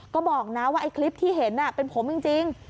ก็บอกนะว่าไอ้คลิปที่เห็นเป็นผมจริง